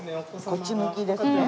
こっち向きですね。